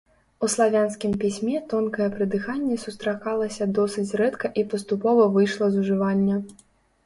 У славянскім пісьме тонкае прыдыханне сустракалася досыць рэдка і паступова выйшла з ужывання.